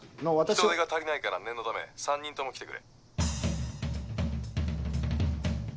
人手が足りないから念のため３人とも来てくれ。